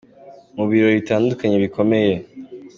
Mu birori bitandukanye bikomeye.